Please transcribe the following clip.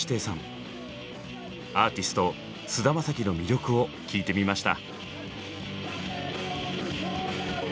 アーティスト菅田将暉の魅力を聞いてみました。